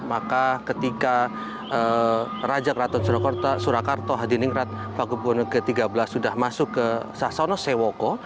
maka ketika raja keraton surakarta hadirin rat paku buwono ke tiga belas sudah masuk ke sasono sewoko